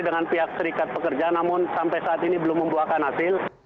dengan pihak serikat pekerja namun sampai saat ini belum membuahkan hasil